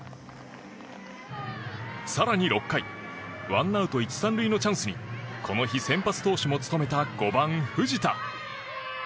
更に６回１アウト１・３塁のチャンスにこの日、先発投手も務めた５番、藤田。